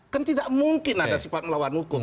kan tidak mungkin ada sifat melawan hukum